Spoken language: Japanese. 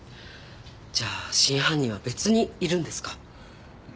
じゃあ真犯人は別にいるんですか？